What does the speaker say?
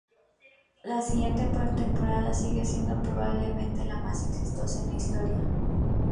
La siguiente temporada sigue siendo probablemente la más exitosa en la historia del club.